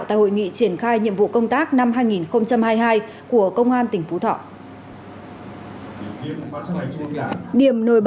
tại hội nghị triển khai nhiệm vụ công tác năm hai nghìn hai mươi hai